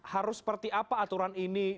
harus seperti apa aturan ini